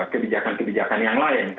kebijakan kebijakan yang lain